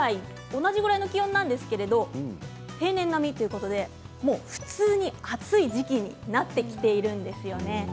同じくらいの気温なんですけれども、平年並みということでもう普通に暑い時期になってきているんですよね。